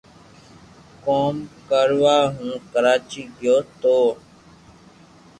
ڪوم ڪروا ھون ڪراچي گيو تو